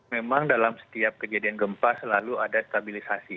memang dalam setiap kejadian gempa selalu ada stabilisasi